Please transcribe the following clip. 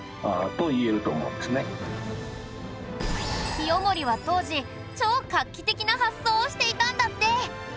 清盛は当時超画期的な発想をしていたんだって。